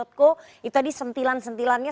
itu tadi sentilan sentilannya